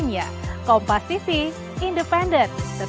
dan kami tidak berspekulasi